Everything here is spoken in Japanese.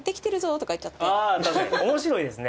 確かに面白いですね